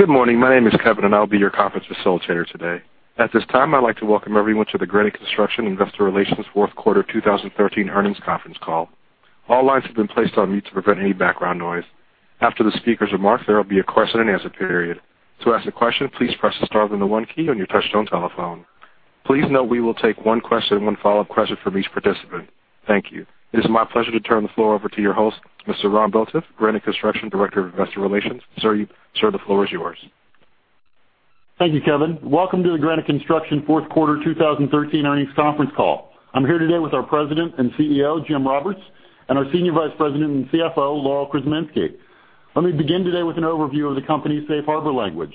Good morning. My name is Kevin, and I'll be your conference facilitator today. At this time, I'd like to welcome everyone to the Granite Construction Investor Relations Fourth Quarter 2013 Earnings Conference Call. All lines have been placed on mute to prevent any background noise. After the speakers' remarks, there will be a question-and-answer period. To ask a question, please press the star, then the one key on your touch-tone telephone. Please note, we will take one question and one follow-up question from each participant. Thank you. It is my pleasure to turn the floor over to your host, Mr. Ron Botoff, Granite Construction Director of Investor Relations. Sir, sir, the floor is yours. Thank you, Kevin. Welcome to the Granite Construction Fourth Quarter 2013 Earnings Conference Call. I'm here today with our President and CEO, Jim Roberts, and our Senior Vice President and CFO, Laurel Krzeminski. Let me begin today with an overview of the company's safe harbor language.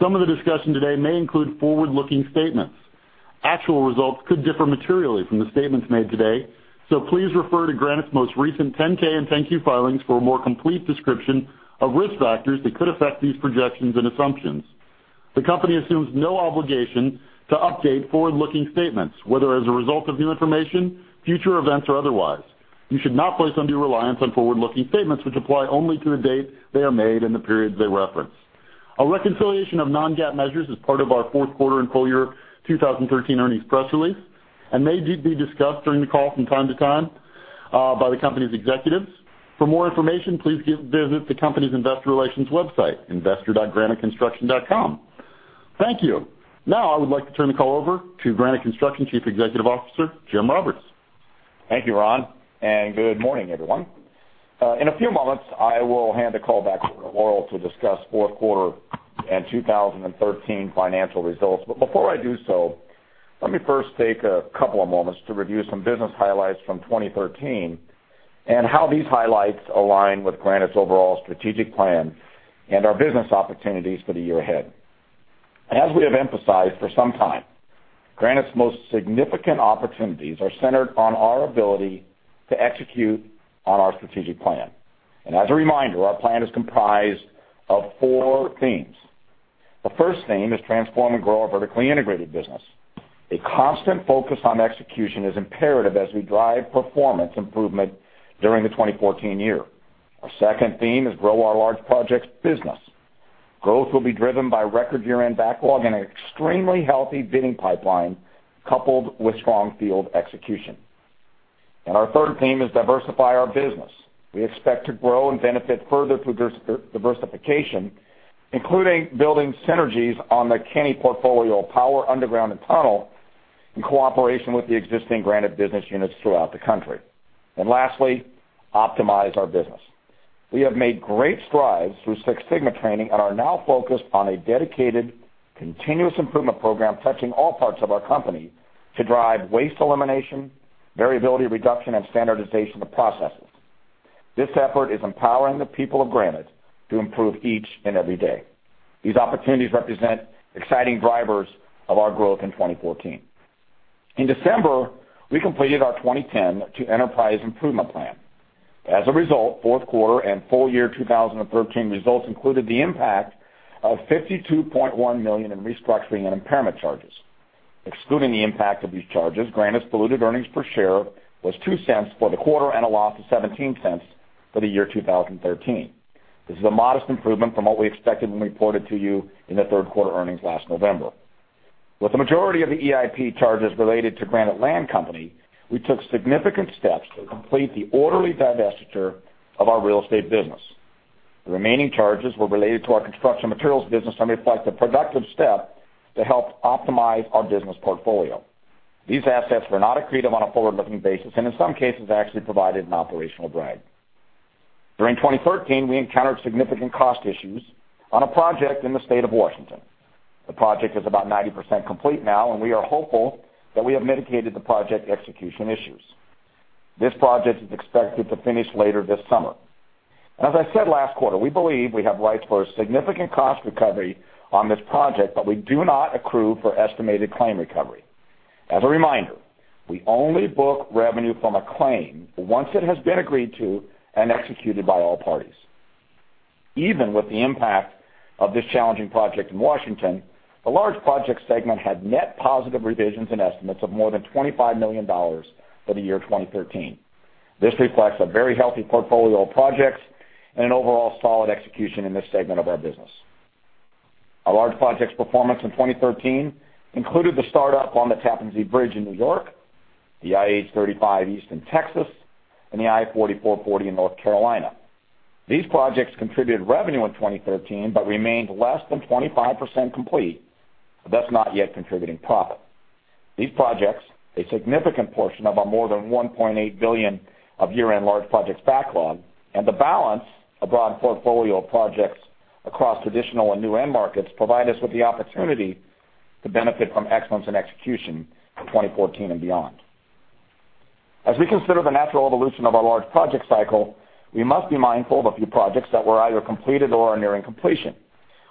Some of the discussion today may include forward-looking statements. Actual results could differ materially from the statements made today, so please refer to Granite's most recent 10-K and 10-Q filings for a more complete description of risk factors that could affect these projections and assumptions. The company assumes no obligation to update forward-looking statements, whether as a result of new information, future events, or otherwise. You should not place undue reliance on forward-looking statements, which apply only to the date they are made and the periods they reference. A reconciliation of non-GAAP measures is part of our fourth quarter and full year 2013 earnings press release and may be discussed during the call from time to time by the company's executives. For more information, please visit the company's investor relations website, investor.graniteconstruction.com. Thank you. Now, I would like to turn the call over to Granite Construction Chief Executive Officer, Jim Roberts. Thank you, Ron, and good morning, everyone. In a few moments, I will hand the call back to Laurel to discuss fourth quarter and 2013 financial results. But before I do so, let me first take a couple of moments to review some business highlights from 2013, and how these highlights align with Granite's overall strategic plan and our business opportunities for the year ahead. As we have emphasized for some time, Granite's most significant opportunities are centered on our ability to execute on our strategic plan. And as a reminder, our plan is comprised of four themes. The first theme is transform and grow our vertically integrated business. A constant focus on execution is imperative as we drive performance improvement during the 2014 year. Our second theme is grow our large projects business. Growth will be driven by record year-end backlog and an extremely healthy bidding pipeline, coupled with strong field execution. Our third theme is diversify our business. We expect to grow and benefit further through diversification, including building synergies on the Kenny portfolio of power, underground, and tunnel, in cooperation with the existing Granite business units throughout the country. Lastly, optimize our business. We have made great strides through Six Sigma training and are now focused on a dedicated, continuous improvement program, touching all parts of our company to drive waste elimination, variability reduction, and standardization of processes. This effort is empowering the people of Granite to improve each and every day. These opportunities represent exciting drivers of our growth in 2014. In December, we completed our 2010 Enterprise Improvement Plan. As a result, fourth quarter and full year 2013 results included the impact of $52.1 million in restructuring and impairment charges. Excluding the impact of these charges, Granite's diluted earnings per share was $0.02 for the quarter and a loss of $0.17 for the year 2013. This is a modest improvement from what we expected when we reported to you in the third quarter earnings last November. With the majority of the EIP charges related to Granite Land Company, we took significant steps to complete the orderly divestiture of our real estate business. The remaining charges were related to our construction materials business and reflect a productive step to help optimize our business portfolio. These assets were not accretive on a forward-looking basis and in some cases, actually provided an operational drag. During 2013, we encountered significant cost issues on a project in the state of Washington. The project is about 90% complete now, and we are hopeful that we have mitigated the project execution issues. This project is expected to finish later this summer. As I said last quarter, we believe we have rights for a significant cost recovery on this project, but we do not accrue for estimated claim recovery. As a reminder, we only book revenue from a claim once it has been agreed to and executed by all parties. Even with the impact of this challenging project in Washington, the large project segment had net positive revisions and estimates of more than $25 million for the year 2013. This reflects a very healthy portfolio of projects and an overall solid execution in this segment of our business. Our large projects performance in 2013 included the startup on the Tappan Zee Bridge in New York, the IH-35 East in Texas, and the I-40/I-440 in North Carolina. These projects contributed revenue in 2013 but remained less than 25% complete, thus not yet contributing profit. These projects, a significant portion of our more than $1.8 billion of year-end large projects backlog and the balance of broad portfolio of projects across traditional and new end markets, provide us with the opportunity to benefit from excellence in execution in 2014 and beyond. As we consider the natural evolution of our large project cycle, we must be mindful of a few projects that were either completed or are nearing completion.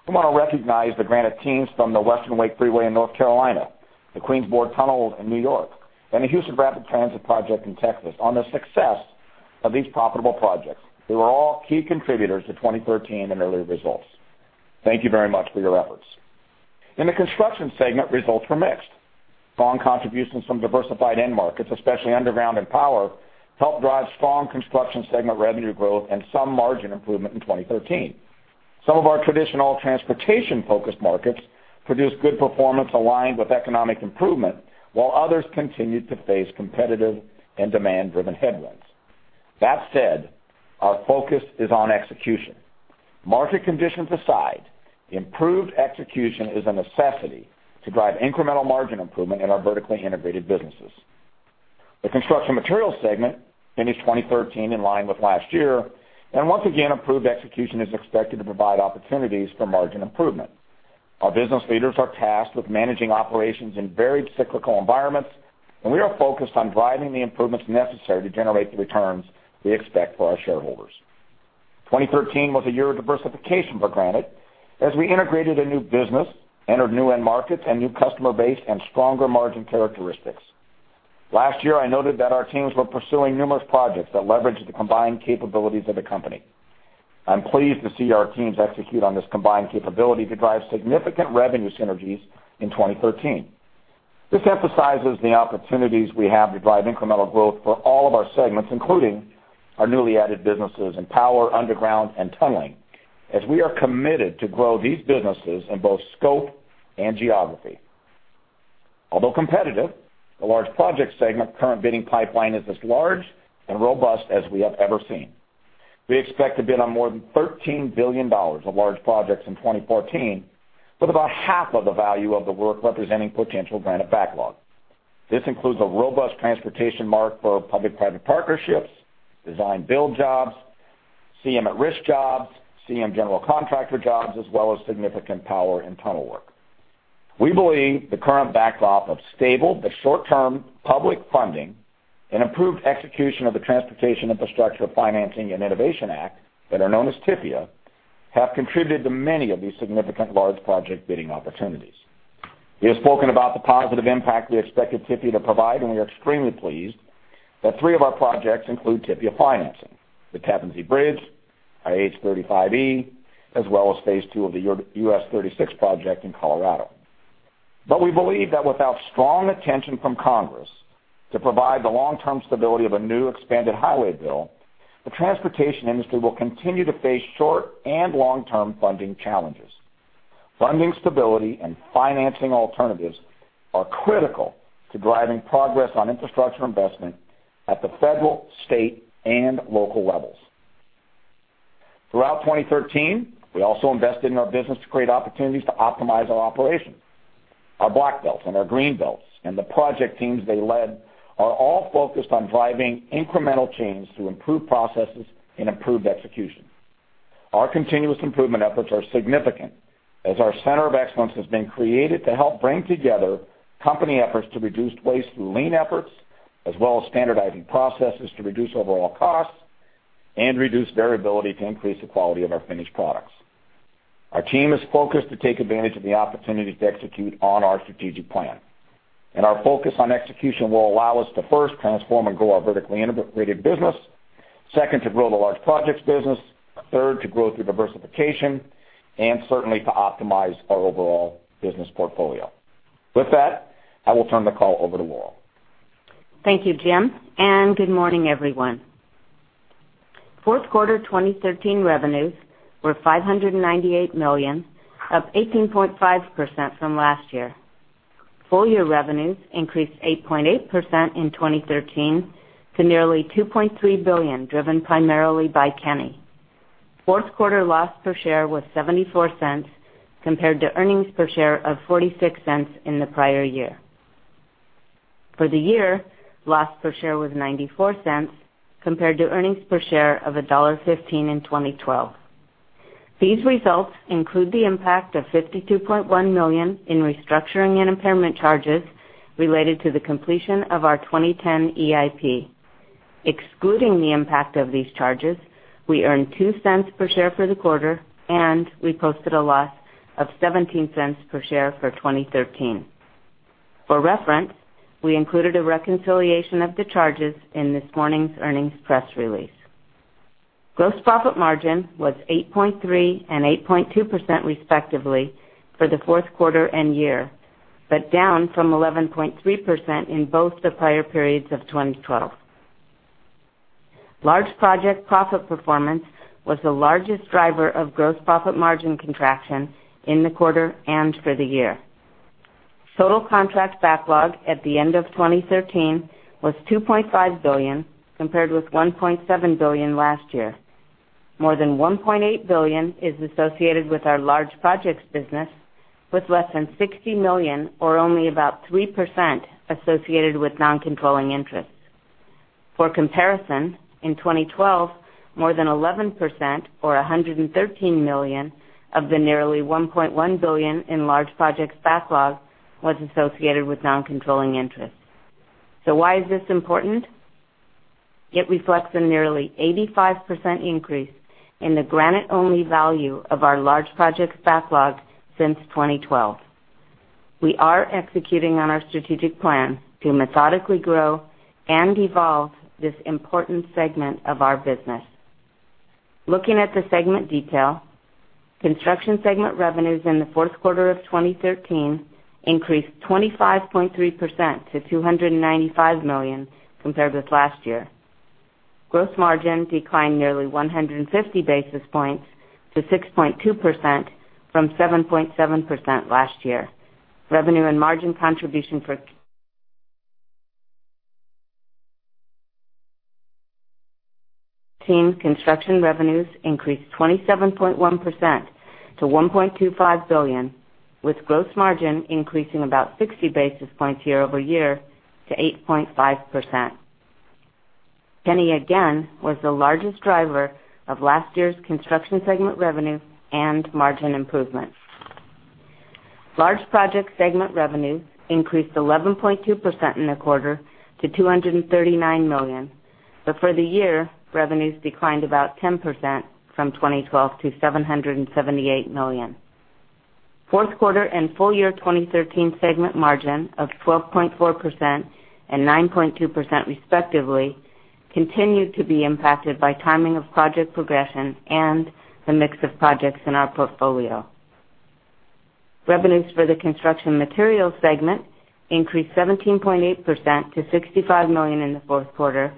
We want to recognize the Granite teams from the Western Wake Freeway in North Carolina, the Queens Bored Tunnel in New York, and the Houston Rapid Transit Project in Texas on the success of these profitable projects. They were all key contributors to 2013 and early results. Thank you very much for your efforts. In the construction segment, results were mixed. Strong contributions from diversified end markets, especially underground and power, helped drive strong construction segment revenue growth and some margin improvement in 2013. Some of our traditional transportation-focused markets produced good performance aligned with economic improvement, while others continued to face competitive and demand-driven headwinds. That said, our focus is on execution. Market conditions aside, improved execution is a necessity to drive incremental margin improvement in our vertically integrated businesses. The construction materials segment finished 2013 in line with last year, and once again, improved execution is expected to provide opportunities for margin improvement. Our business leaders are tasked with managing operations in very cyclical environments, and we are focused on driving the improvements necessary to generate the returns we expect for our shareholders. 2013 was a year of diversification for Granite as we integrated a new business, entered new end markets and new customer base, and stronger margin characteristics. Last year, I noted that our teams were pursuing numerous projects that leverage the combined capabilities of the company. I'm pleased to see our teams execute on this combined capability to drive significant revenue synergies in 2013. This emphasizes the opportunities we have to drive incremental growth for all of our segments, including our newly added businesses in power, underground, and tunneling, as we are committed to grow these businesses in both scope and geography. Although competitive, the Large Projects segment's current bidding pipeline is as large and robust as we have ever seen. We expect to bid on more than $13 billion of large projects in 2014, with about half of the value of the work representing potential Granite backlog. This includes a robust transportation market for public-private partnerships, design-build jobs, CM at-risk jobs, CM general contractor jobs, as well as significant power and tunnel work. We believe the current backlog is stable, but short-term public funding and improved execution of the Transportation Infrastructure Financing and Innovation Act known as TIFIA have contributed to many of these significant Large Projects bidding opportunities. We have spoken about the positive impact we expected TIFIA to provide, and we are extremely pleased that three of our projects include TIFIA financing: the Tappan Zee Bridge, IH-35E, as well as phase 2 of the US 36 project in Colorado. But we believe that without strong attention from Congress to provide the long-term stability of a new expanded highway bill, the transportation industry will continue to face short and long-term funding challenges. Funding stability and financing alternatives are critical to driving progress on infrastructure investment at the federal, state, and local levels. Throughout 2013, we also invested in our business to create opportunities to optimize our operations. Our Black Belts and our Green Belts and the project teams they led are all focused on driving incremental change to improve processes and improved execution. Our continuous improvement efforts are significant, as our Center of Excellence has been created to help bring together company efforts to reduce waste through lean efforts, as well as standardizing processes to reduce overall costs and reduce variability to increase the quality of our finished products. Our team is focused to take advantage of the opportunities to execute on our strategic plan, and our focus on execution will allow us to, first, transform and grow our vertically integrated business, second, to grow the Large Projects business, third, to grow through diversification, and certainly to optimize our overall business portfolio. With that, I will turn the call over to Laurel. Thank you, Jim, and good morning, everyone. Fourth quarter 2013 revenues were $598 million, up 18.5% from last year. Full year revenues increased 8.8% in 2013 to nearly $2.3 billion, driven primarily by Kenny. Fourth quarter loss per share was $0.74, compared to earnings per share of $0.46 in the prior year. For the year, loss per share was $0.94, compared to earnings per share of $1.15 in 2012. These results include the impact of $52.1 million in restructuring and impairment charges related to the completion of our 2010 EIP. Excluding the impact of these charges, we earned $0.02 per share for the quarter, and we posted a loss of $0.17 per share for 2013. For reference, we included a reconciliation of the charges in this morning's earnings press release. Gross profit margin was 8.3% and 8.2%, respectively, for the fourth quarter and year, but down from 11.3% in both the prior periods of 2012. Large Project profit performance was the largest driver of gross profit margin contraction in the quarter and for the year. Total contract backlog at the end of 2013 was $2.5 billion, compared with $1.7 billion last year. More than $1.8 billion is associated with our Large Projects business, with less than $60 million, or only about 3%, associated with non-controlling interests. For comparison, in 2012, more than 11%, or $113 million, of the nearly $1.1 billion in Large Projects backlog was associated with non-controlling interests. So why is this important? It reflects a nearly 85% increase in the Granite-only value of our Large Projects backlog since 2012. We are executing on our strategic plan to methodically grow and evolve this important segment of our business.... Looking at the segment detail, construction segment revenues in the fourth quarter of 2013 increased 25.3%-$295 million compared with last year. Gross margin declined nearly 150 basis points to 6.2% from 7.7% last year. Revenue and margin contribution for construction revenues increased 27.1%-$1.25 billion, with gross margin increasing about 60 basis points year-over-year to 8.5%. Kenny, again, was the largest driver of last year's construction segment revenue and margin improvements. Large project segment revenue increased 11.2% in the quarter to $239 million. But for the year, revenues declined about 10% from 2012 to $778 million. Fourth quarter and full year 2013 segment margin of 12.4% and 9.2%, respectively, continued to be impacted by timing of project progression and the mix of projects in our portfolio. Revenues for the construction materials segment increased 17.8%-$65 million in the fourth quarter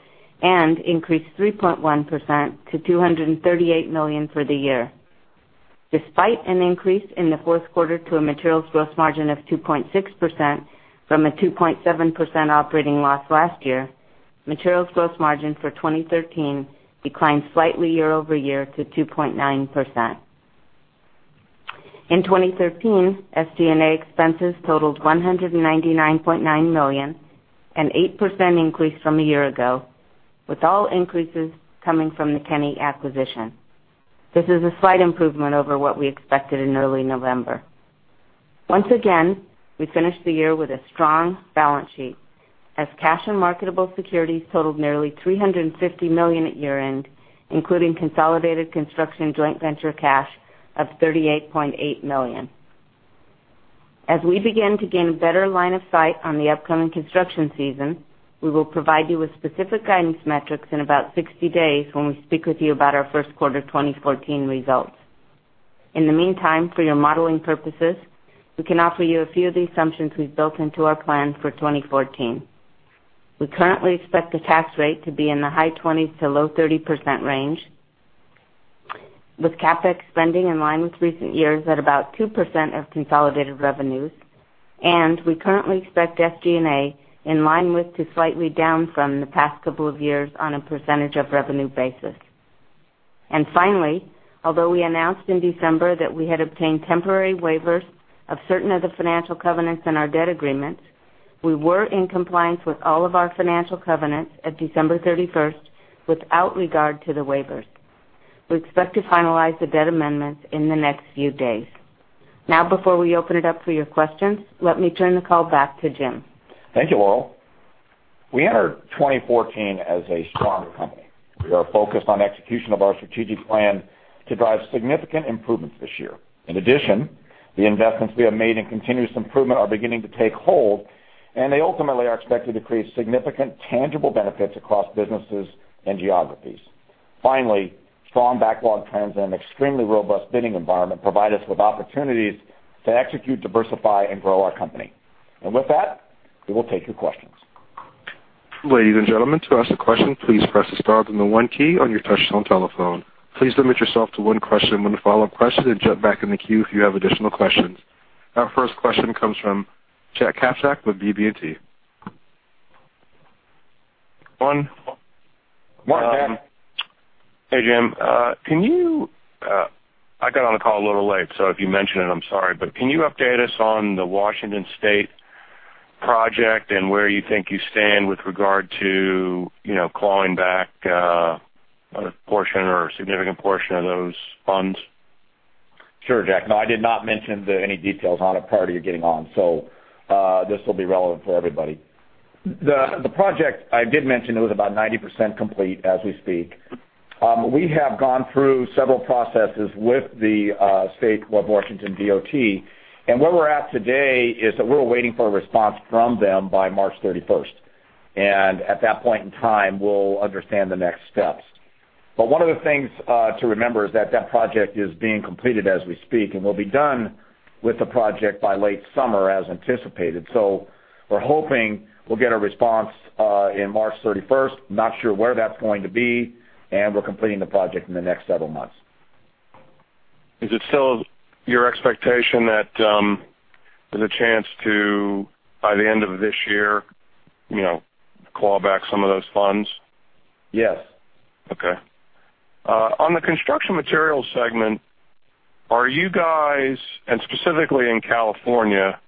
and increased 3.1% to $238 million for the year. Despite an increase in the fourth quarter to a materials gross margin of 2.6% from a 2.7% operating loss last year, materials gross margin for 2013 declined slightly year-over-year to 2.9%. In 2013, SG&A expenses totaled $199.9 million, an 8% increase from a year ago, with all increases coming from the Kenny acquisition. This is a slight improvement over what we expected in early November. Once again, we finished the year with a strong balance sheet, as cash and marketable securities totaled nearly $350 million at year-end, including consolidated construction joint venture cash of $38.8 million. As we begin to gain a better line of sight on the upcoming construction season, we will provide you with specific guidance metrics in about 60 days when we speak with you about our first quarter 2014 results. In the meantime, for your modeling purposes, we can offer you a few of the assumptions we've built into our plan for 2014. We currently expect the tax rate to be in the high 20s-low 30% range, with CapEx spending in line with recent years at about 2% of consolidated revenues, and we currently expect SG&A in line with to slightly down from the past couple of years on a percentage of revenue basis. Finally, although we announced in December that we had obtained temporary waivers of certain of the financial covenants in our debt agreements, we were in compliance with all of our financial covenants at December 31, without regard to the waivers. We expect to finalize the debt amendments in the next few days. Now, before we open it up for your questions, let me turn the call back to Jim. Thank you, Laurel. We entered 2014 as a strong company. We are focused on execution of our strategic plan to drive significant improvements this year. In addition, the investments we have made in continuous improvement are beginning to take hold, and they ultimately are expected to create significant, tangible benefits across businesses and geographies. Finally, strong backlog trends and an extremely robust bidding environment provide us with opportunities to execute, diversify, and grow our company. And with that, we will take your questions. Ladies and gentlemen, to ask a question, please press the star then the one key on your touchtone telephone. Please limit yourself to one question and one follow-up question, and jump back in the queue if you have additional questions. Our first question comes from Jack Kasprzak with BB&T. One. Good morning, Jack. Hey, Jim, can you, I got on the call a little late, so if you mentioned it, I'm sorry, but can you update us on the Washington State project and where you think you stand with regard to, you know, clawing back, a portion or a significant portion of those funds? Sure, Jack. No, I did not mention any details on it prior to you getting on, so this will be relevant for everybody. The project I did mention, it was about 90% complete as we speak. We have gone through several processes with the State of Washington DOT, and where we're at today is that we're waiting for a response from them by March 31st. And at that point in time, we'll understand the next steps. But one of the things to remember is that that project is being completed as we speak, and we'll be done with the project by late summer, as anticipated. So we're hoping we'll get a response in March 31st. Not sure where that's going to be, and we're completing the project in the next several months. Is it still your expectation that, there's a chance to, by the end of this year, you know, claw back some of those funds? Yes. Okay. On the construction materials segment, are you guys, and specifically in California,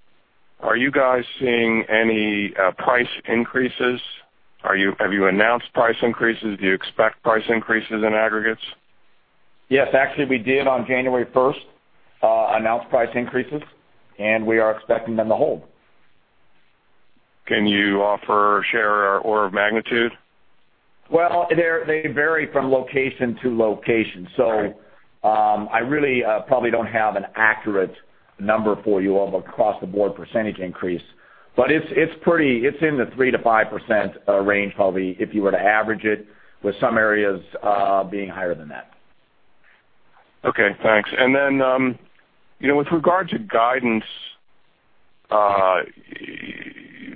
are you guys seeing any price increases? Have you announced price increases? Do you expect price increases in aggregates? Yes, actually, we did on January first, announce price increases, and we are expecting them to hold. Can you offer, share, or order of magnitude? Well, they vary from location to location. Right. I really probably don't have an accurate number for you of across the board percentage increase, but it's pretty—it's in the 3%-5% range, probably, if you were to average it, with some areas being higher than that.... Okay, thanks. And then, you know, with regard to guidance,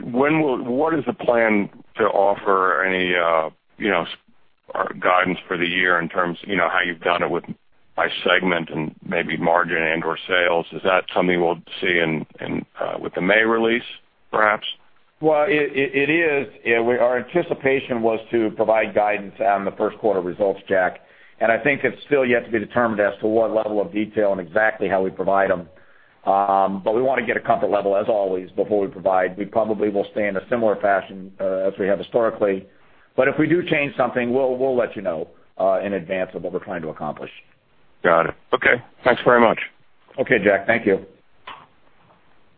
when will what is the plan to offer any, you know, guidance for the year in terms of, you know, how you've done it with by segment and maybe margin and or sales? Is that something we'll see in with the May release, perhaps? Well, it is. Our anticipation was to provide guidance on the first quarter results, Jack, and I think it's still yet to be determined as to what level of detail and exactly how we provide them. But we want to get a comfort level, as always, before we provide. We probably will stay in a similar fashion as we have historically. But if we do change something, we'll let you know in advance of what we're trying to accomplish. Got it. Okay. Thanks very much. Okay, Jack. Thank you.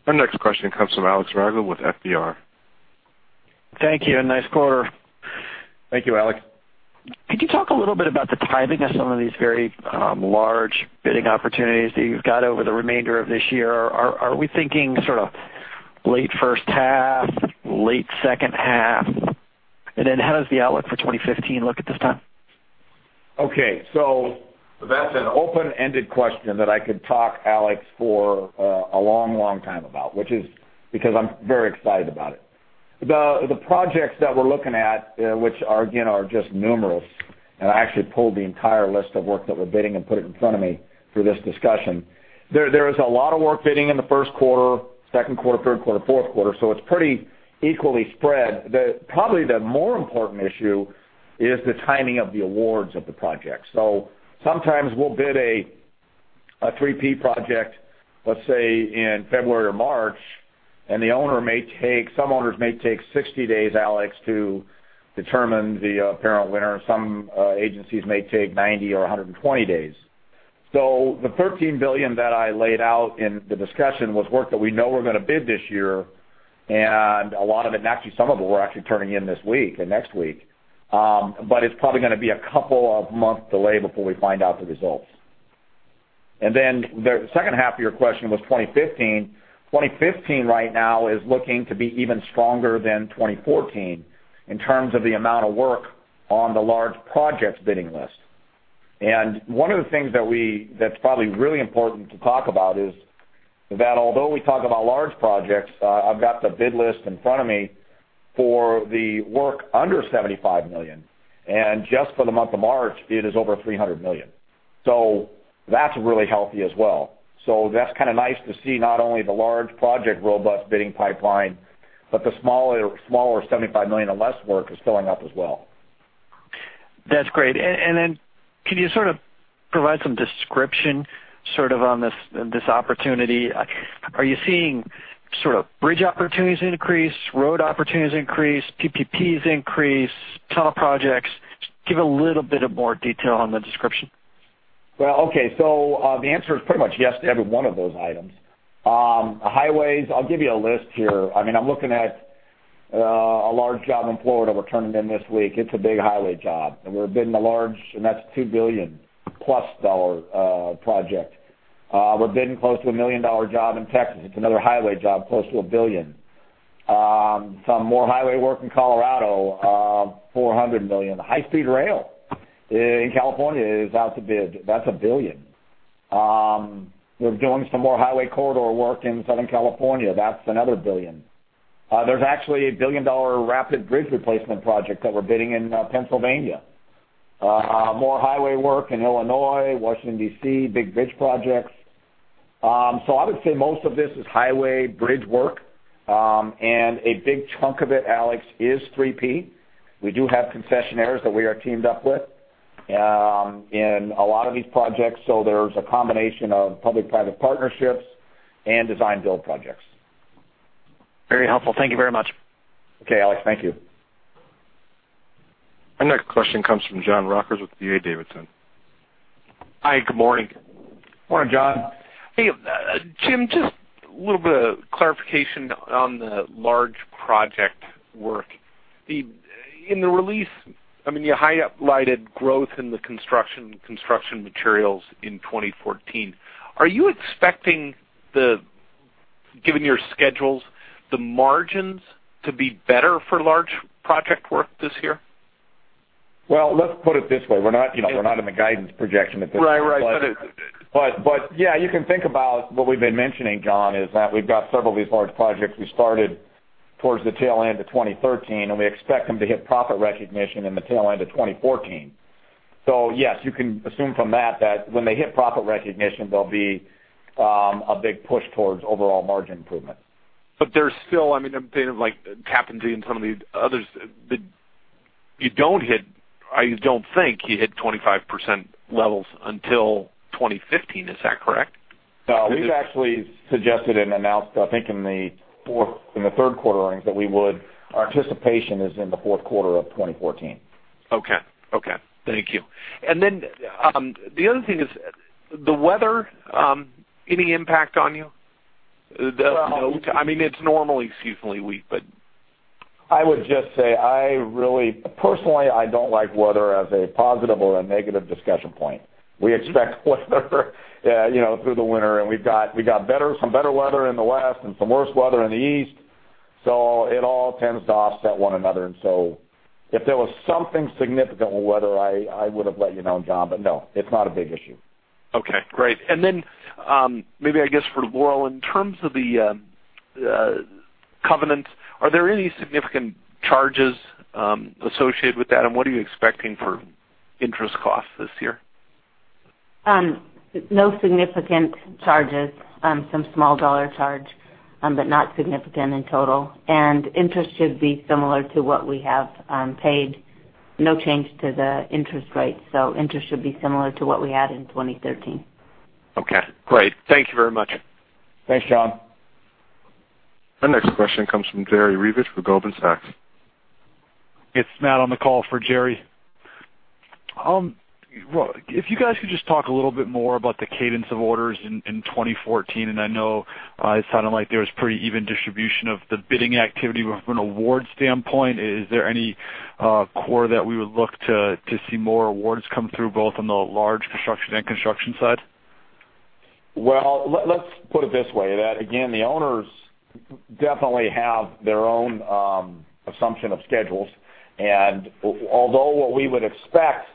Our next question comes from Alex Ragle with FBR. Thank you, and nice quarter. Thank you, Alex. Could you talk a little bit about the timing of some of these very large bidding opportunities that you've got over the remainder of this year? Are we thinking sort of late first half, late second half? And then how does the outlook for 2015 look at this time? Okay, so that's an open-ended question that I could talk, Alex, for a long, long time about, which is because I'm very excited about it. The projects that we're looking at, which are again just numerous, and I actually pulled the entire list of work that we're bidding and put it in front of me for this discussion. There is a lot of work bidding in the first quarter, second quarter, third quarter, fourth quarter, so it's pretty equally spread. Probably the more important issue is the timing of the awards of the project. So sometimes we'll bid a 3P project, let's say, in February or March, and some owners may take 60 days, Alex, to determine the apparent winner. Some agencies may take 90 or 120 days. So the $13 billion that I laid out in the discussion was work that we know we're going to bid this year, and a lot of it, actually, some of them are actually turning in this week and next week. But it's probably going to be a couple of months delay before we find out the results. And then the second half of your question was 2015. 2015 right now is looking to be even stronger than 2014 in terms of the amount of work on the Large Projects bidding list. And one of the things that we—that's probably really important to talk about is that although we talk about Large Projects, I've got the bid list in front of me for the work under $75 million, and just for the month of March, it is over $300 million. So that's really healthy as well. So that's kind of nice to see not only the large project robust bidding pipeline, but the smaller $75 million or less work is filling up as well. That's great. And then can you sort of provide some description, sort of on this opportunity? Are you seeing sort of bridge opportunities increase, road opportunities increase, PPPs increase, tunnel projects? Just give a little bit of more detail on the description. Well, okay. So, the answer is pretty much yes to every one of those items. Highways, I'll give you a list here. I mean, I'm looking at a large job in Florida we're turning in this week. It's a big highway job, and we're bidding a large, and that's a $2 billion-plus project. We're bidding close to a $1 million job in Texas. It's another highway job, close to $1 billion. Some more highway work in Colorado, $400 million. High-speed rail in California is out to bid. That's $1 billion. We're doing some more highway corridor work in Southern California. That's another $1 billion. There's actually a billion-dollar rapid bridge replacement project that we're bidding in Pennsylvania. More highway work in Illinois, Washington, D.C., big bridge projects. So I would say most of this is highway bridge work, and a big chunk of it, Alex, is 3P. We do have concessionaires that we are teamed up with, in a lot of these projects, so there's a combination of public-private partnerships and design-build projects. Very helpful. Thank you very much. Okay, Alex. Thank you. Our next question comes from John Rogers with D.A. Davidson. Hi, good morning. Morning, John. Hey, Jim, just a little bit of clarification on the large project work. In the release, I mean, you highlighted growth in the construction, construction materials in 2014. Are you expecting the, given your schedules, the margins to be better for large project work this year? Well, let's put it this way: We're not, you know, we're not in the guidance projection at this point. Right. Right. Yeah, you can think about what we've been mentioning, John, is that we've got several of these large projects we started towards the tail end of 2013, and we expect them to hit profit recognition in the tail end of 2014. So yes, you can assume from that, that when they hit profit recognition, there'll be a big push towards overall margin improvement. But there's still, I mean, like, Tappan Zee and some of these others, the, you don't hit, I don't think you hit 25% levels until 2015. Is that correct? No, we've actually suggested and announced, I think, in the fourth, in the third quarter earnings, that we would... Our anticipation is in the fourth quarter of 2014. Okay. Okay, thank you. And then, the other thing is the weather, any impact on you? The- Well- I mean, it's normally seasonally weak, but... I would just say I really, personally, I don't like weather as a positive or a negative discussion point. We expect weather, you know, through the winter, and we've got, we've got better, some better weather in the west and some worse weather in the east. So it all tends to offset one another. And so if there was something significant, well, whether I, I would have let you know, John, but no, it's not a big issue. Okay, great. And then, maybe I guess for Laurel, in terms of the covenants, are there any significant charges associated with that? And what are you expecting for interest costs this year? No significant charges, some small dollar charge, but not significant in total. Interest should be similar to what we have paid. No change to the interest rate, so interest should be similar to what we had in 2013. Okay, great. Thank you very much. Thanks, John. Our next question comes from Jerry Revich with Goldman Sachs. It's Matt on the call for Jerry. Well, if you guys could just talk a little bit more about the cadence of orders in 2014, and I know it sounded like there was pretty even distribution of the bidding activity from an award standpoint. Is there any core that we would look to, to see more awards come through, both on the large construction and construction side? Well, let's put it this way, that again, the owners definitely have their own assumption of schedules. And although what we would expect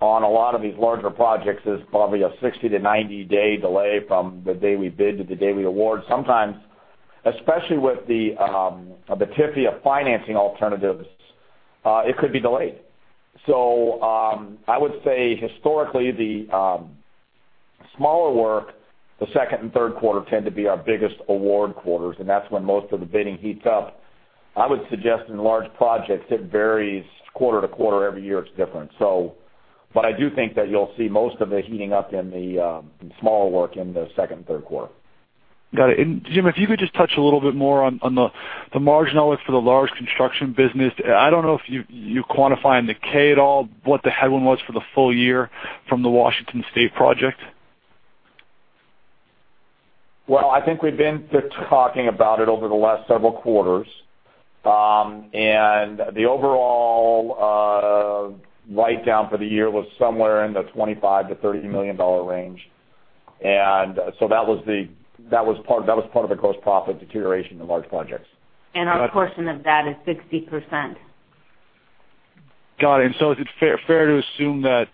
on a lot of these larger projects is probably a 60-90 day delay from the day we bid to the day we award, sometimes, especially with the TIFIA financing alternatives, it could be delayed. So, I would say historically, the smaller work, the second and third quarter tend to be our biggest award quarters, and that's when most of the bidding heats up. I would suggest in large projects, it varies quarter to quarter. Every year it's different, so... But I do think that you'll see most of the heating up in the smaller work in the second and third quarter. Got it. Jim, if you could just touch a little bit more on the margin outlook for the large construction business. I don't know if you quantify in the 10-K at all what the headwind was for the full year from the Washington State project? Well, I think we've been talking about it over the last several quarters. And the overall write down for the year was somewhere in the $25-$30 million range. And so that was the, that was part, that was part of the gross profit deterioration in large projects. Our portion of that is 60%. Got it. And so is it fair to assume that,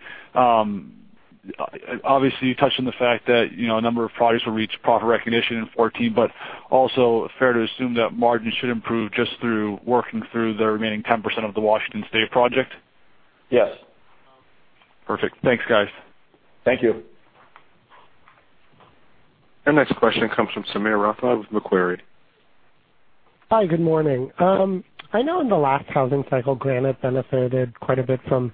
obviously, you touched on the fact that, you know, a number of projects will reach profit recognition in 2014, but also fair to assume that margins should improve just through working through the remaining 10% of the Washington State project? Yes. Perfect. Thanks, guys. Thank you. Our next question comes from Sameer Rathod with Macquarie. Hi, good morning. I know in the last housing cycle, Granite benefited quite a bit from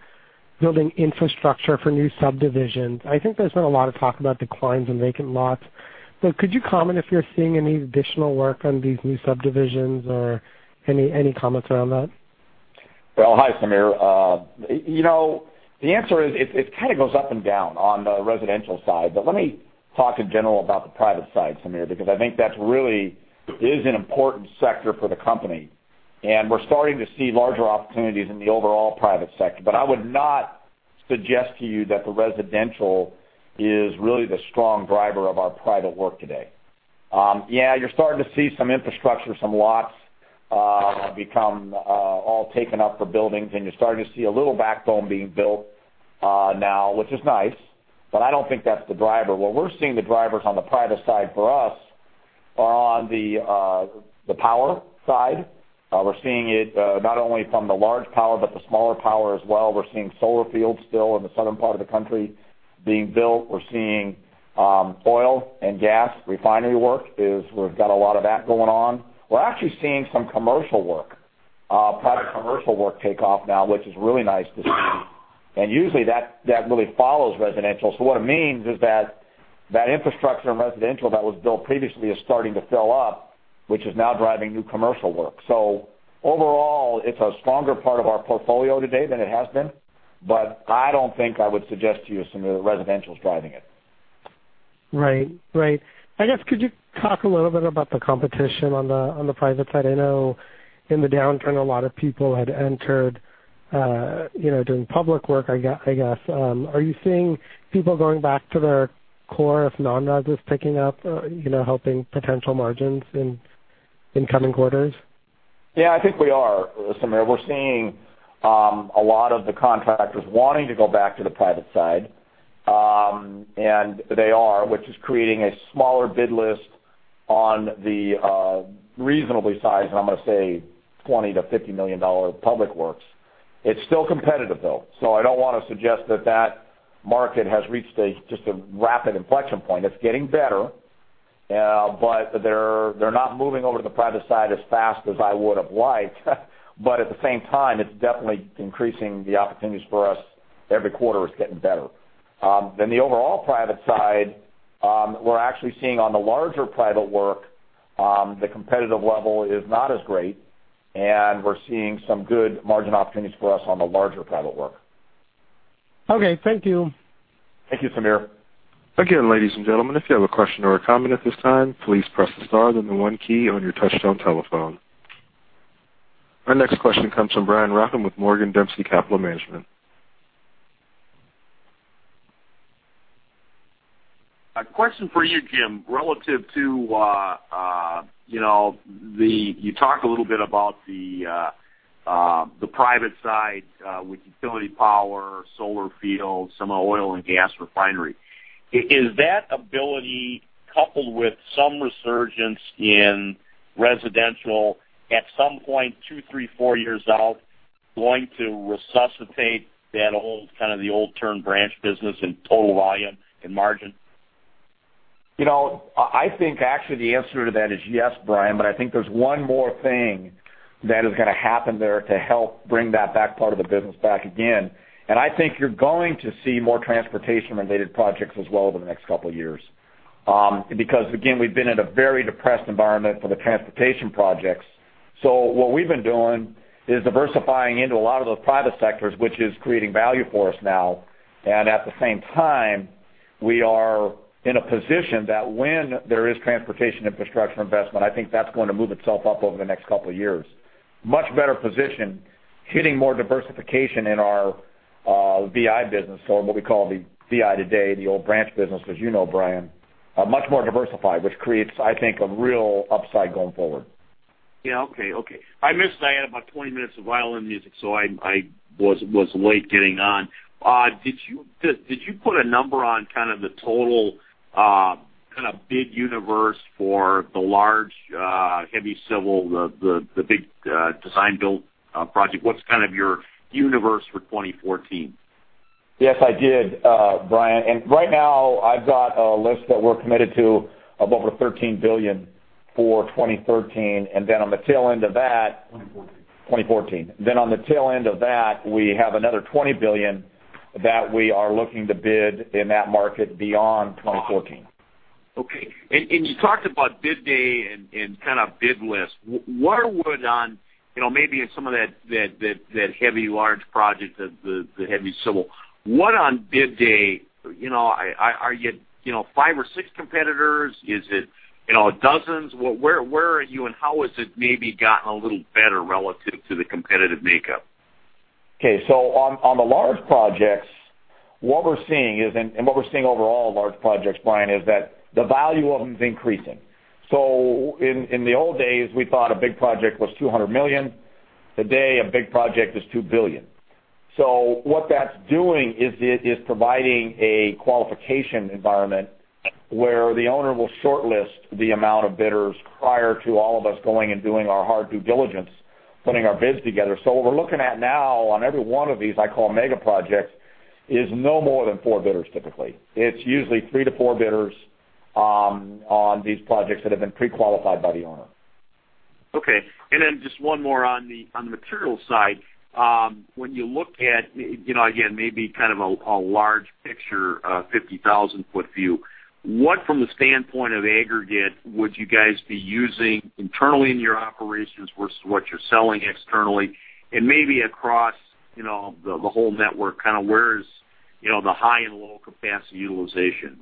building infrastructure for new subdivisions. I think there's been a lot of talk about declines in vacant lots. But could you comment if you're seeing any additional work on these new subdivisions or any comments around that? Well, hi, Sameer. You know, the answer is, it, it kind of goes up and down on the residential side, but let me talk in general about the private side, Sameer, because I think that's really is an important sector for the company, and we're starting to see larger opportunities in the overall private sector. But I would not suggest to you that the residential is really the strong driver of our private work today. Yeah, you're starting to see some infrastructure, some lots, become all taken up for buildings, and you're starting to see a little backbone being built, now, which is nice, but I don't think that's the driver. What we're seeing the drivers on the private side for us are on the, the power side. We're seeing it, not only from the large power, but the smaller power as well. We're seeing solar fields still in the southern part of the country being built. We're seeing, oil and gas refinery work. We've got a lot of that going on. We're actually seeing some commercial work, private commercial work take off now, which is really nice to see. And usually that, that really follows residential. So what it means is that, that infrastructure and residential that was built previously is starting to fill up, which is now driving new commercial work. So overall, it's a stronger part of our portfolio today than it has been, but I don't think I would suggest to you, Sameer, residential is driving it. Right. Right. I guess, could you talk a little bit about the competition on the private side? I know in the downturn, a lot of people had entered, you know, doing public work, I guess. Are you seeing people going back to their core of non-res is picking up, you know, helping potential margins in incoming quarters? Yeah, I think we are, Sameer. We're seeing a lot of the contractors wanting to go back to the private side. And they are, which is creating a smaller bid list on the reasonably sized, and I'm going to say $20 million-$50 million public works. It's still competitive, though, so I don't want to suggest that that market has reached a just a rapid inflection point. It's getting better, but they're, they're not moving over to the private side as fast as I would have liked. But at the same time, it's definitely increasing the opportunities for us. Every quarter, it's getting better. Then the overall private side, we're actually seeing on the larger private work the competitive level is not as great, and we're seeing some good margin opportunities for us on the larger private work. Okay, thank you. Thank you, Sameer. Again, ladies and gentlemen, if you have a question or a comment at this time, please press the star then the one key on your touchtone telephone. Our next question comes from Brian Rafn with Morgan Dempsey Capital Management. A question for you, Jim, relative to, you know, the private side, with utility power, solar fields, some oil and gas refinery. Is that ability, coupled with some resurgence in residential at some point, two, three, four years out, going to resuscitate that old, kind of the old term branch business in total volume and margin? You know, I think actually the answer to that is yes, Brian, but I think there's one more thing that is gonna happen there to help bring that back, part of the business back again. And I think you're going to see more transportation-related projects as well over the next couple of years. Because, again, we've been in a very depressed environment for the transportation projects. So what we've been doing is diversifying into a lot of those private sectors, which is creating value for us now. And at the same time, we are in a position that when there is transportation infrastructure investment, I think that's going to move itself up over the next couple of years. Much better position, hitting more diversification in our VI business, so what we call the VI today, the old branch business, as you know, Brian, much more diversified, which creates, I think, a real upside going forward. Yeah. Okay, okay. I missed. I had about 20 minutes of violin music, so I was late getting on. Did you put a number on kind of the total kind of bid universe for the large heavy civil, the big design build project? What's kind of your universe for 2014? Yes, I did, Brian, and right now I've got a list that we're committed to of over $13 billion for 2013, and then on the tail end of that- Twenty fourteen. 2014. Then on the tail end of that, we have another $20 billion that we are looking to bid in that market beyond 2014. Okay. And you talked about bid day and kind of bid list. What are we on, you know, maybe in some of that heavy large project, the heavy civil. What on bid day, you know, are you five or six competitors? Is it, you know, dozens? Where are you and how has it maybe gotten a little better relative to the competitive makeup? Okay, so on the large projects, what we're seeing is. And what we're seeing overall in large projects, Brian, is that the value of them is increasing. So in the old days, we thought a big project was $200 million. Today, a big project is $2 billion. So what that's doing is it is providing a qualification environment where the owner will shortlist the amount of bidders prior to all of us going and doing our hard due diligence, putting our bids together. So what we're looking at now on every one of these, I call mega projects, is no more than 4 bidders, typically. It's usually 3-4 bidders on these projects that have been pre-qualified by the owner. Okay, and then just one more on the, on the materials side. When you look at, you know, again, maybe kind of a, a large picture, 50,000-foot view, what from the standpoint of aggregate, would you guys be using internally in your operations versus what you're selling externally and maybe across, you know, the, the whole network, kind of where's, you know, the high and low capacity utilization?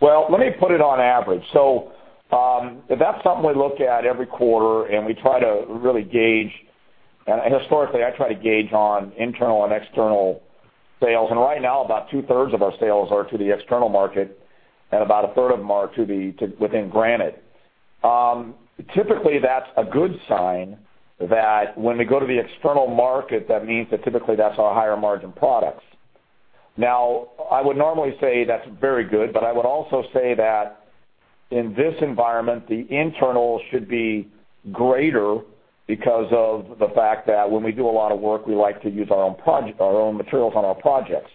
Well, let me put it on average. That's something we look at every quarter and we try to really gauge, and historically, I try to gauge on internal and external sales. Right now, about 2/3 of our sales are to the external market, and about 1/3 of them are to the, to within Granite. Typically, that's a good sign that when we go to the external market, that means that typically that's our higher margin products. Now, I would normally say that's very good, but I would also say that in this environment, the internal should be greater because of the fact that when we do a lot of work, we like to use our own materials on our projects.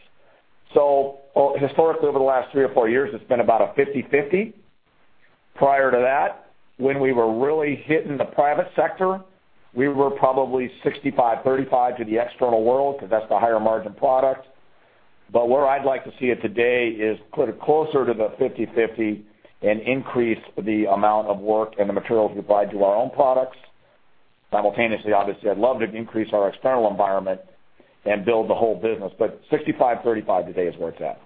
So historically, over the last three or four years, it's been about a 50/50. Prior to that, when we were really hitting the private sector, we were probably 65/35 to the external world, because that's the higher margin product. But where I'd like to see it today is put it closer to the 50/50 and increase the amount of work and the materials we provide to our own products. Simultaneously, obviously, I'd love to increase our external environment and build the whole business, but 65/35 today is where it's at.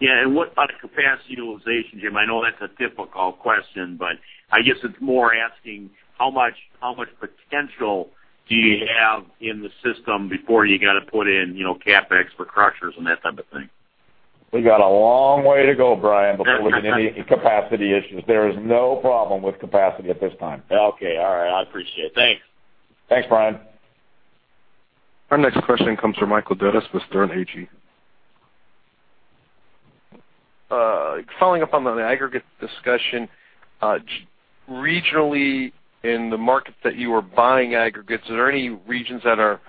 Yeah, and what about the capacity utilization, Jim? I know that's a difficult question, but I guess it's more asking how much, how much potential do you have in the system before you got to put in, you know, CapEx for crushers and that type of thing? We got a long way to go, Brian, before we get any capacity issues. There is no problem with capacity at this time. Okay. All right, I appreciate it. Thanks. Thanks, Brian. Our next question comes from Michael Dudas with Sterne Agee. Following up on the aggregate discussion, regionally, in the markets that you are buying aggregates, are there any regions that are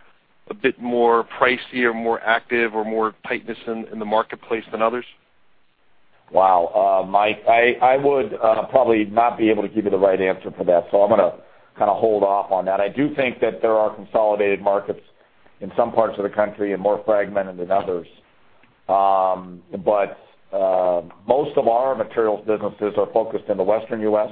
a bit more pricey or more active or more tightness in the marketplace than others? Wow, Mike, I would probably not be able to give you the right answer for that, so I'm gonna kind of hold off on that. I do think that there are consolidated markets in some parts of the country and more fragmented than others. But most of our materials businesses are focused in the Western US,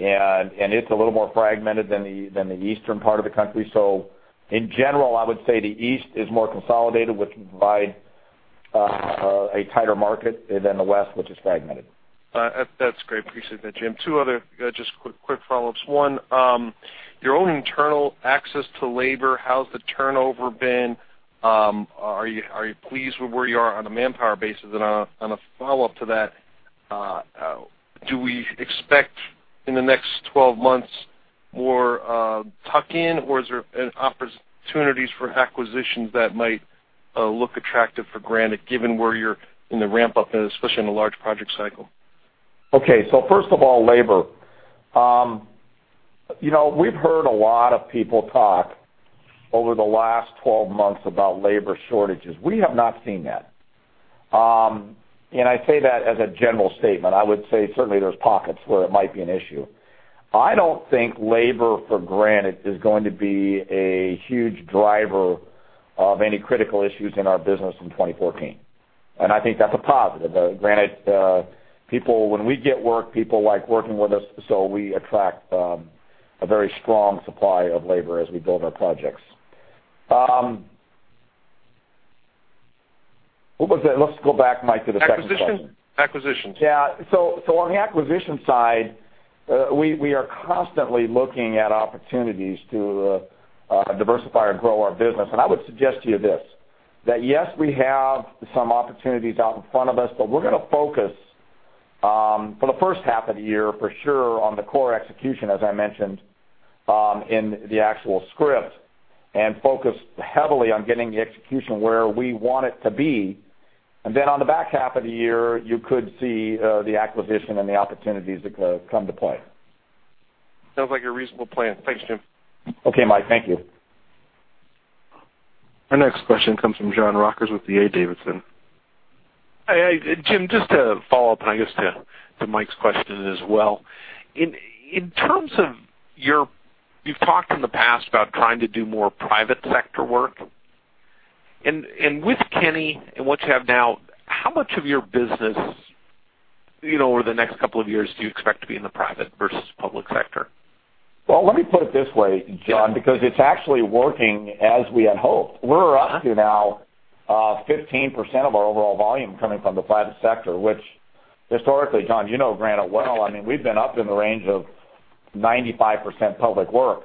and it's a little more fragmented than the eastern part of the country. So in general, I would say the East is more consolidated, which can provide a tighter market than the West, which is fragmented. ... That's great. Appreciate that, Jim. Two other just quick follow-ups. One, your own internal access to labor, how's the turnover been? Are you pleased with where you are on a manpower basis? And on a follow-up to that, do we expect in the next 12 months more tuck-in, or is there an opportunities for acquisitions that might look attractive for Granite, given where you're in the ramp-up, and especially in the large project cycle? Okay, so first of all, labor. You know, we've heard a lot of people talk over the last 12 months about labor shortages. We have not seen that. And I say that as a general statement, I would say certainly there's pockets where it might be an issue. I don't think labor, for Granite, is going to be a huge driver of any critical issues in our business in 2014, and I think that's a positive. Granite people, when we get work, people like working with us, so we attract a very strong supply of labor as we build our projects. What was that? Let's go back, Mike, to the second question. Acquisitions. Acquisitions. Yeah. So on the acquisition side, we are constantly looking at opportunities to diversify and grow our business. And I would suggest to you this, that yes, we have some opportunities out in front of us, but we're gonna focus for the first half of the year, for sure on the core execution, as I mentioned, in the actual script, and focus heavily on getting the execution where we want it to be. And then on the back half of the year, you could see the acquisition and the opportunities come to play. Sounds like a reasonable plan. Thanks, Jim. Okay, Mike. Thank you. Our next question comes from John Rogers with D.A. Davidson. Hi. Jim, just to follow up, and I guess, to Mike's question as well. In terms of your—you've talked in the past about trying to do more private sector work, and with Kenny and what you have now, how much of your business, you know, over the next couple of years, do you expect to be in the private versus public sector? Well, let me put it this way, John, because it's actually working as we had hoped. We're up to now 15% of our overall volume coming from the private sector, which historically, John, you know Granite well, I mean, we've been up in the range of 95% public work.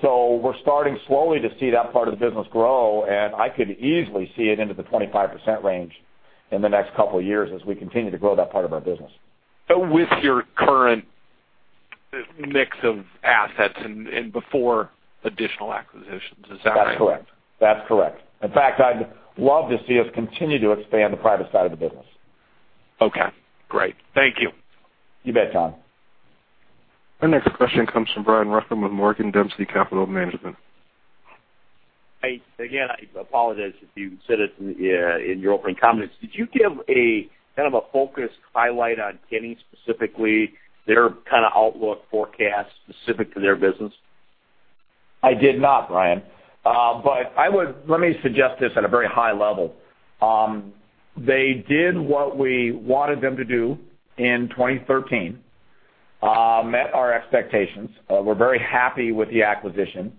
So we're starting slowly to see that part of the business grow, and I could easily see it into the 25% range in the next couple of years as we continue to grow that part of our business. So with your current mix of assets and before additional acquisitions, is that right? That's correct. That's correct. In fact, I'd love to see us continue to expand the private side of the business. Okay, great. Thank you. You bet, John. Our next question comes from Brian Rafn with Morgan Dempsey Capital Management. I, again, I apologize if you said it in, in your opening comments. Did you give a, kind of, a focused highlight on Kenny, specifically, their kind of outlook forecast specific to their business? I did not, Brian. But I would... Let me suggest this at a very high level. They did what we wanted them to do in 2013, met our expectations. We're very happy with the acquisition,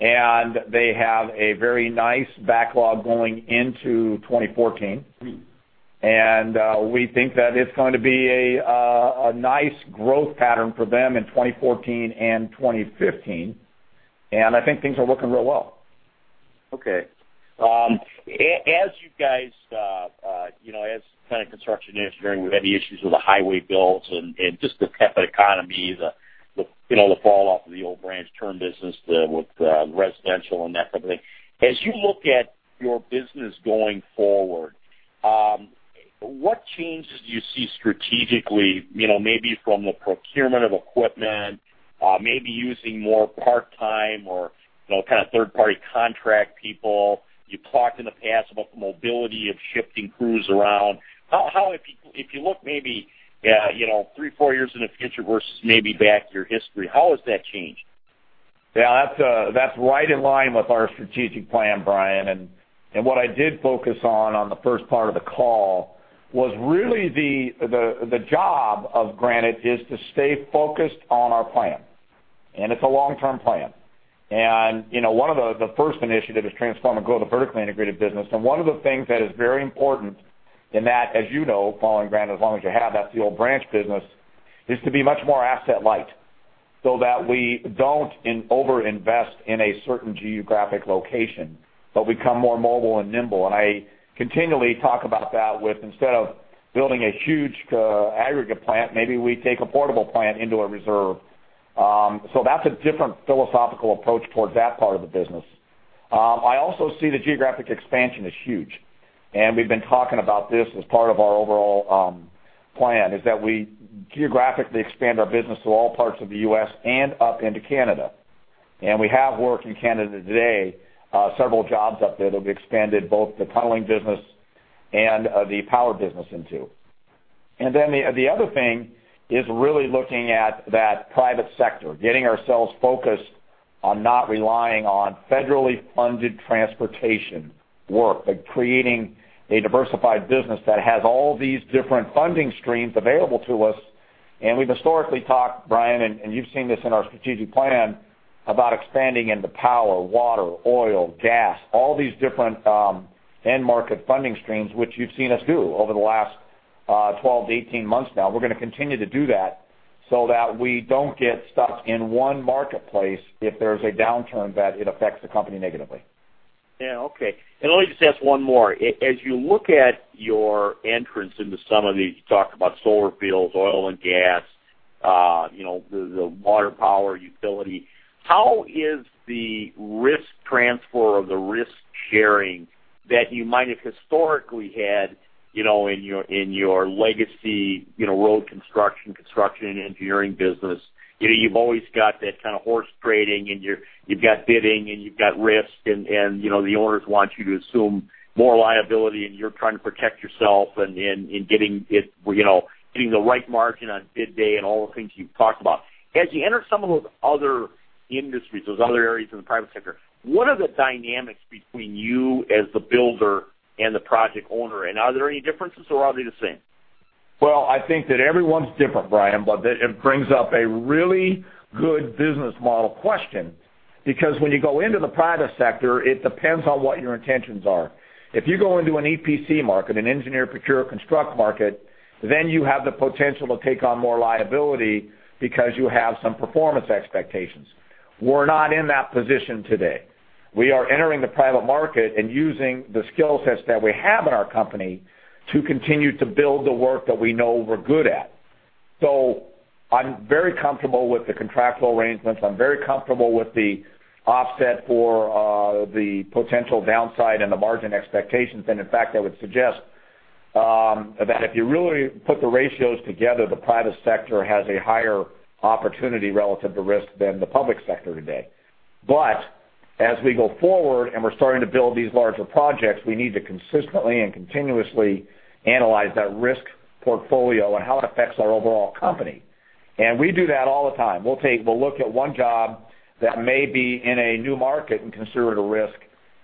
and they have a very nice backlog going into 2014. And, we think that it's going to be a, a nice growth pattern for them in 2014 and 2015, and I think things are looking real well. Okay. As you guys, you know, as kind of construction engineering, we've had the issues with the highway bills and just the economy, the you know, the falloff of the old branch term business with residential and that type of thing. As you look at your business going forward, what changes do you see strategically, you know, maybe from the procurement of equipment, maybe using more part-time or, you know, kind of third-party contract people. You talked in the past about the mobility of shifting crews around. How, if you look maybe, you know, 3, 4 years in the future versus maybe back to your history, how has that changed? Yeah, that's right in line with our strategic plan, Brian. And what I did focus on, on the first part of the call was really the job of Granite is to stay focused on our plan, and it's a long-term plan. And, you know, one of the first initiative is transform and grow the vertically integrated business. And one of the things that is very important in that, as you know, following Granite as long as you have, that's the old branch business, is to be much more asset light, so that we don't overinvest in a certain geographic location, but become more mobile and nimble. And I continually talk about that with, instead of building a huge aggregate plant, maybe we take a portable plant into a reserve. So that's a different philosophical approach towards that part of the business. I also see the geographic expansion is huge, and we've been talking about this as part of our overall plan, is that we geographically expand our business to all parts of the US and up into Canada. And we have work in Canada today, several jobs up there that we expanded both the tunneling business and the power business into. And then the other thing is really looking at that private sector, getting ourselves focused on not relying on federally funded transportation work, but creating a diversified business that has all these different funding streams available to us. And we've historically talked, Brian, and you've seen this in our strategic plan, about expanding into power, water, oil, gas, all these different end market funding streams, which you've seen us do over the last 12-18 months now. We're gonna continue to do that so that we don't get stuck in one marketplace, if there's a downturn, that it affects the company negatively. Yeah. Okay. And let me just ask one more. As you look at your entrance into some of these, you talked about solar fields, oil and gas, you know, the water power utility. How is the risk transfer or the risk sharing that you might have historically had, you know, in your legacy, you know, road construction, construction, and engineering business? You know, you've always got that kind of horse trading, and you've got bidding, and you've got risk, and, and, you know, the owners want you to assume more liability, and you're trying to protect yourself, and, and in getting it, you know, getting the right margin on bid day and all the things you've talked about. As you enter some of those other industries, those other areas in the private sector, what are the dynamics between you as the builder and the project owner? Are there any differences or are they the same? Well, I think that everyone's different, Brian, but that it brings up a really good business model question. Because when you go into the private sector, it depends on what your intentions are. If you go into an EPC market, an engineer, procure, construct market, then you have the potential to take on more liability because you have some performance expectations. We're not in that position today. We are entering the private market and using the skill sets that we have in our company to continue to build the work that we know we're good at. So I'm very comfortable with the contractual arrangements. I'm very comfortable with the offset for the potential downside and the margin expectations. And in fact, I would suggest that if you really put the ratios together, the private sector has a higher opportunity relative to risk than the public sector today. As we go forward and we're starting to build these larger projects, we need to consistently and continuously analyze that risk portfolio and how it affects our overall company. We do that all the time. We'll look at one job that may be in a new market and consider it a risk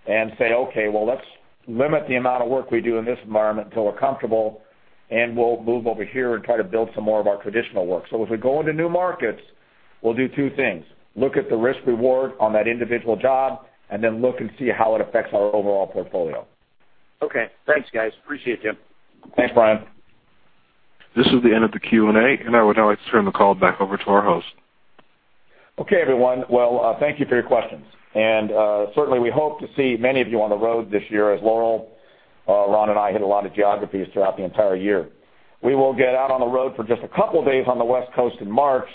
and say, "Okay, well, let's limit the amount of work we do in this environment until we're comfortable, and we'll move over here and try to build some more of our traditional work." As we go into new markets, we'll do two things: look at the risk-reward on that individual job, and then look and see how it affects our overall portfolio. Okay, thanks, guys. Appreciate it, Jim. Thanks, Brian. This is the end of the Q&A, and I would now like to turn the call back over to our host. Okay, everyone. Well, thank you for your questions. Certainly, we hope to see many of you on the road this year as Laurel, Ron, and I hit a lot of geographies throughout the entire year. We will get out on the road for just a couple of days on the West Coast in March,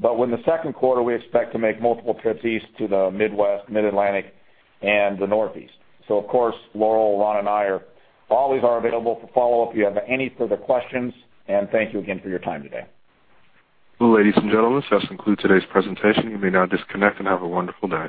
but when the second quarter, we expect to make multiple trips east to the Midwest, Mid-Atlantic, and the Northeast. Of course, Laurel, Ron, and I are always available for follow-up if you have any further questions, and thank you again for your time today. Ladies and gentlemen, this does conclude today's presentation. You may now disconnect and have a wonderful day.